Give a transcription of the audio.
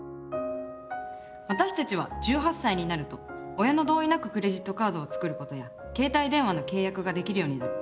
私たちは１８歳になると親の同意なくクレジットカードを作ることや携帯電話の契約ができるようになる。